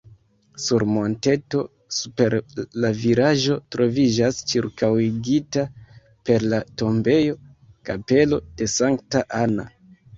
Sur monteto super la vilaĝo troviĝas, ĉirkaŭigita per la tombejo, kapelo de Sankta Anna.